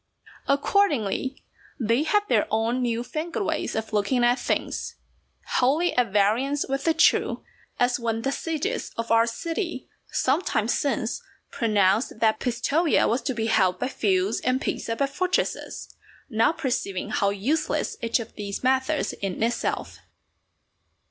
Accordingly, they have their own newfangled ways of looking at things, wholly at variance with the true, as when the sages of our city, some time since, pronounced that Pistoja was to be held by feuds and Pisa by fortresses, not perceiving how useless each of these methods is in itself.